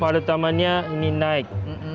jadi pertama ini naik